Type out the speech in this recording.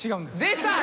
出た！